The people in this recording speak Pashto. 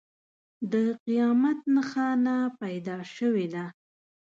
د قیامت نښانه پیدا شوې ده.